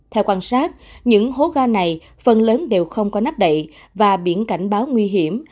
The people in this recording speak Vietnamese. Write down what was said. theo quan sát những hố ga này phần lớn đều không có nắp đậy và biển cảnh báo nguy hiểm